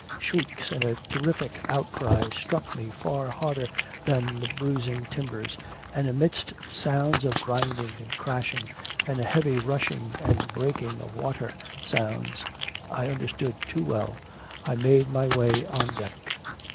Shrieks and a terrific outcry struck me far harder than the bruising timbers, and amidst sounds of grinding and crashing, and a heavy rushing and breaking of water sounds I understood too well I made my way on deck.